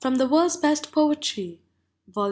The WorldsVest Poetry Vol.!